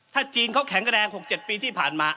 ถ้าจีนเขาแข็งแรง๖๗ปีที่ผ่านมา